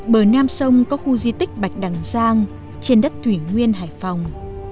bờ nam sông có khu di tích bạch đằng giang trên đất thủy nguyên hải phòng